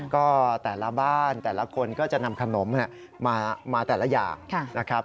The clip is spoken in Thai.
ก็แต่ละบ้านแต่ละคนก็จะนำขนมมาแต่ละอย่างนะครับ